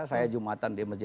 saya jumatan di masjid